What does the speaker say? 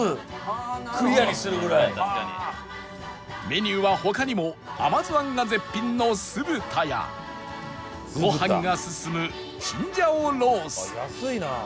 メニューは他にも甘酢あんが絶品の酢豚やご飯が進むチンジャオロースー